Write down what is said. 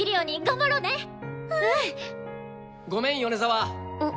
うん！ごめん米沢。